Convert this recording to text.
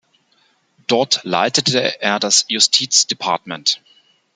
Dort leitete er das Justizdepartement.